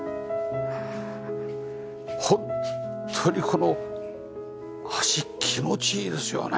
ホントにこの足気持ちいいですよね。